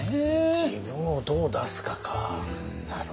「自分をどう出すか」かなるほどね。